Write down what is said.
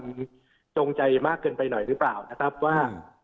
มันจงใจมากเกินไปหน่อยหรือเปล่านะครับว่า